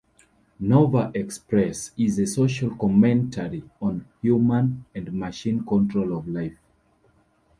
"Nova Express" is a social commentary on human and machine control of life.